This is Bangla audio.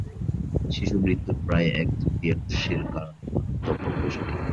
শিশুমৃত্যুর প্রায় এক-তৃতীয়াংশের কারণ মারাত্মক অপুষ্টি।